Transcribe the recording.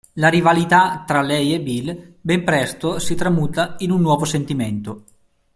La rivalità tra lei e Bill ben presto si tramuta in un nuovo sentimento.